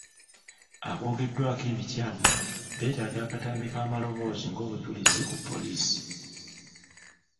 Aboogeddwako ebikyamu beetaaga akatambi k'amaloboozi ng'obujulizi ku poliisi.